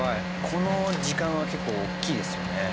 この時間は結構大きいですよね。